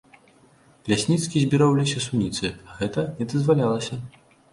Лясніцкі збіраў у лесе суніцы, а гэта не дазвалялася.